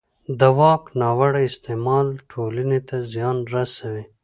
د واک ناوړه استعمال ټولنې ته زیان رسوي